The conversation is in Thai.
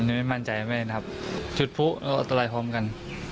อันนี้ไม่มั่นใจไม่นะครับจุดพลุแล้วก็ตะไลพร้อมกัน